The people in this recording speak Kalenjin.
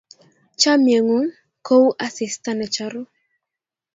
Chamyengung ko u asista ne charu